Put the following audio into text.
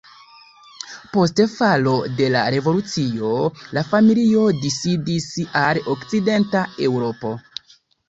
Post falo de la revolucio la familio disidis al okcidenta Eŭropo.